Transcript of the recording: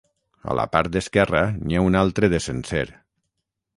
A la part esquerra n'hi ha un altre de sencer.